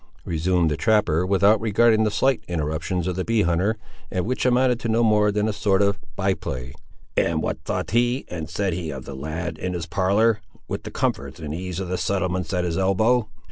resumed the trapper, without regarding the slight interruptions of the bee hunter, which amounted to no more than a sort of by play. "And what thought he and said he of the lad, in his parlour, with the comforts and ease of the settlements at his elbow?"